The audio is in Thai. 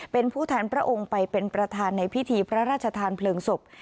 เป็นผู้แทนพระองค์ไปเป็นประธานในพิธีพระราชทานเพลิงศพ